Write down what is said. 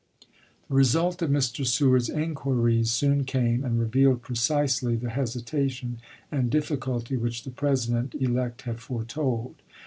The result of Mr. Seward's inquiries soon came, and revealed precisely the hesitation and difficulty which the President elect had foretold.